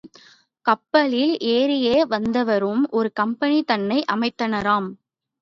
கப்பலில் ஏறியே வந்தவரும் ஒரு கம்பெனி தன்னை அமைத்தனராம்.